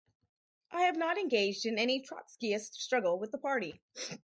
I have not engaged in any Trotskyist struggle with the party.